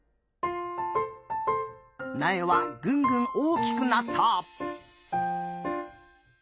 なえはぐんぐん大きくなった。